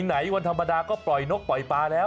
ไหนวันธรรมดาก็ปล่อยนกปล่อยปลาแล้ว